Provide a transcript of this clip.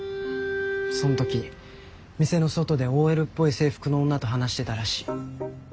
そん時店の外でＯＬっぽい制服の女と話してたらしい。